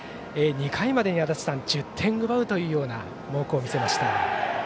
２回までに１０点奪うという猛攻を見せました。